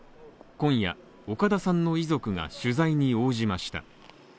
今夜、岡田さんの遺族が取材に応じました。